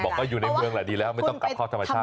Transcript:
บอกว่าอยู่ในเมืองดีแล้วไม่ต้องกลับเข้าธรรมชาติ